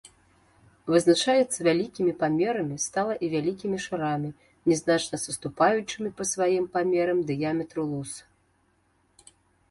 Вызначаецца вялікімі памерамі стала і вялікімі шарамі, нязначна саступаючымі па сваім памерам дыяметру луз.